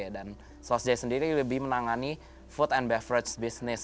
dan sosj sendiri lebih menangani food and beverage business